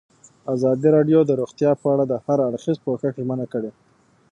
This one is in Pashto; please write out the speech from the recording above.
ازادي راډیو د روغتیا په اړه د هر اړخیز پوښښ ژمنه کړې.